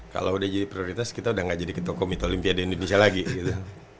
kalau udah jadi prioritas kita udah gak jadi ketoko mito olimpia di indonesia lagi gitu